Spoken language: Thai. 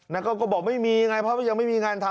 แล้วก็บอกไม่มีไงเพราะยังไม่มีงานทำ